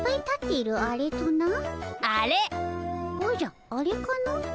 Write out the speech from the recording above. おじゃあれかの。